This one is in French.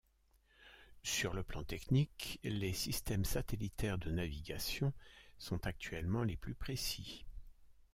Sur le plan technique, les systèmes satellitaires de navigation sont actuellement les plus précis.